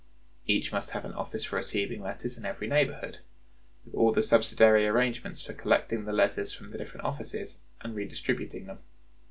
Each must have an office for receiving letters in every neighborhood, with all subsidiary arrangements for collecting the letters from the different offices and redistributing them.